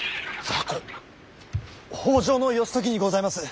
北条義時にございます。